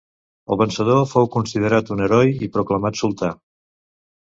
El vencedor fou considerat un heroi i proclamat sultà.